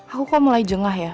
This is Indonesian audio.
aku kok mulai jengah ya